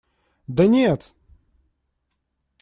Да нет!